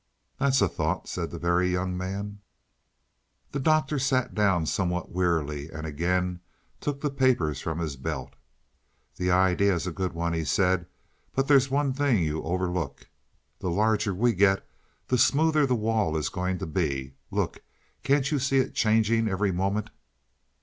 "That's a thought," said the Very Young Man. The Doctor sat down somewhat wearily, and again took the papers from his belt. "The idea is a good one," he said. "But there's one thing you overlook. The larger we get, the smoother the wall is going to be. Look, can't you see it changing every moment?"